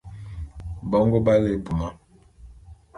Bongo b'á lé ebuma.